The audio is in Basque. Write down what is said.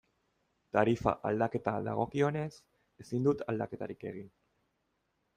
Tarifa aldaketa dagokionez, ezin dut aldaketarik egin.